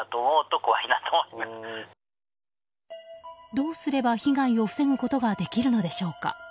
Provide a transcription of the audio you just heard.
どうすれば、被害を防ぐことができるのでしょうか。